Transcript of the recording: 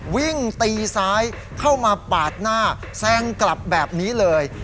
วิ่งตีซ้ายเข้ามาปาดหน้าแซงกลับแบบนี้เลย